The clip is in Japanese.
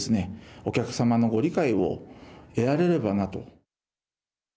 お客様のご理解を得られればなと。